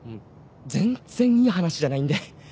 全然いい話じゃないんで。